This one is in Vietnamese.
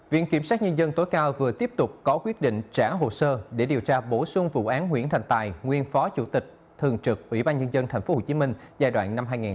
viện kiểm sát nhân dân tối cao vừa tiếp tục có quyết định trả hồ sơ để điều tra bổ sung vụ án nguyễn thành tài nguyên phó chủ tịch thường trực ủy ban nhân dân tp hcm giai đoạn năm hai nghìn một mươi hai nghìn hai mươi một